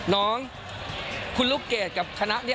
น้องคุณลูกเกดกับคณะนี้